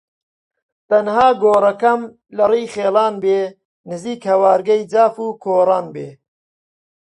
تەنها گۆڕەکەم لە ڕێی خیڵان بێ نزیک هەوارگەی جاف و کۆران بێ